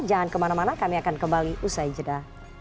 jangan kemana mana kami akan kembali usai jeda